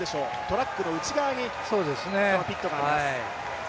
トラックの内側にピットがあります。